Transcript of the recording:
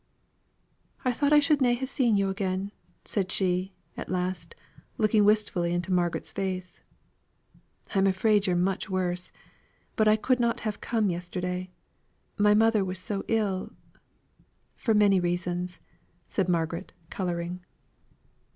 "I thought I should na' ha' seen yo' again," said she, at last, looking wistfully in Margaret's face. "I'm afraid you're much worse. But I could not have come yesterday, my mother was so ill for many reasons," said Margaret, colouring.